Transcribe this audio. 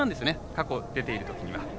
過去、出ているときは。